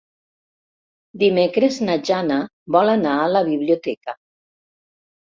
Dimecres na Jana vol anar a la biblioteca.